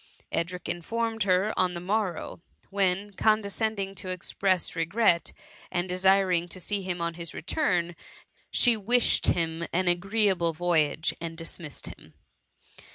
Edric informed her, on the morrow; when, condescending to express re gret, and desiring to see him on his return, THE MUMMY. 183 she wished him an agreeable voyage, and dis missed him.